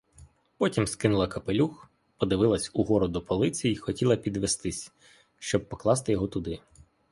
Потім скинула капелюх, подивилась угору до полиці й хотіла підвестись, щоб покласти його туди.